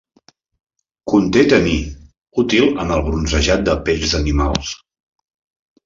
Conté taní útil en el bronzejat de pells d'animals.